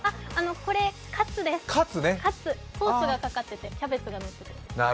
これカツです、ソースがかかっててキャベツがあって。